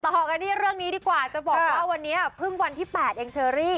ต่อกันที่เรื่องนี้ดีกว่าจะบอกว่าวันนี้เพิ่งวันที่๘เองเชอรี่